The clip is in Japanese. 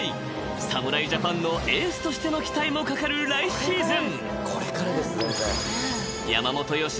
［侍ジャパンのエースとしての期待もかかる来シーズン］